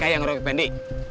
mereka yang robek pendek